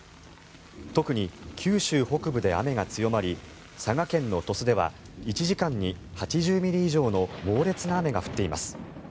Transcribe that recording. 特に、九州北部で雨が強まり佐賀県の鳥栖では１時間に８０ミリ以上の猛烈な雨が降っています。